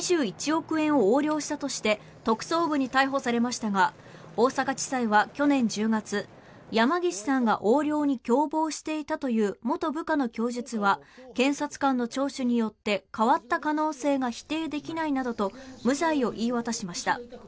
２１億円を横領したとして特捜部に逮捕されましたが大阪地裁は去年１０月、山岸さんが横領に共謀していたという元部下の供述は検察官の聴取によって変わった可能性が否定できないなどと無罪を言い渡しました。